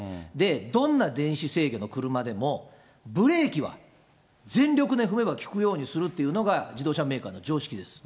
どんな電子制御の車でも、ブレーキは全力で踏めば利くようにするというのが、自動車メーカーの常識です。